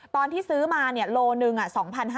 ตอนที่ซื้อมาโลหนึ่ง๒๕๐